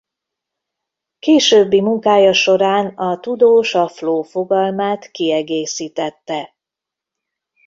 Későbbi munkája során a tudós a flow fogalmát kiegészítette.